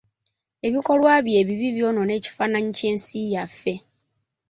Ebikolwa bye ebibi byonoona ekifaananyi ky'ensi yaffe.